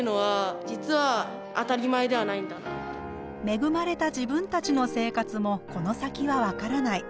「恵まれた自分たちの生活もこの先は分からない。